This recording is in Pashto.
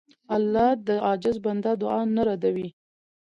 الله د عاجز بنده دعا نه ردوي.